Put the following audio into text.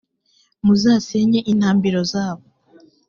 muzasenye intambiro zabo,